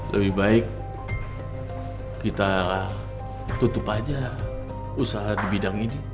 lebih baik kita tutup aja usaha di bidang ini